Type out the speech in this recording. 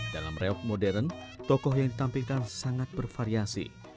dalam reok modern tokoh yang ditampilkan sangat bervariasi